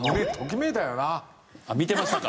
見てましたか。